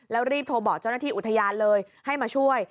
แล้วรีบโทรบอกเจ้าหน้าที่อุทยานเลยให้มาช่วย